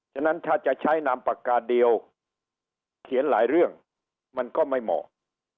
ฉะนั้นถ้าจะใช้นามปากกาเดียวเขียนหลายเรื่องมันก็ไม่เหมาะ